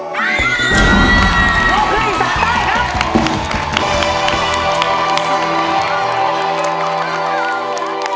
โลกฮึ้ยศาสต้ายครับ